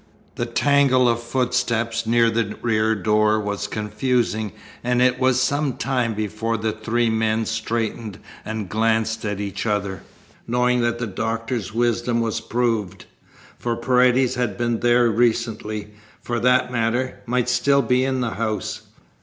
The tangle of footsteps near the rear door was confusing and it was some time before the three men straightened and glanced at each other, knowing that the doctor's wisdom was proved. For Paredes had been there recently; for that matter, might still be in the house.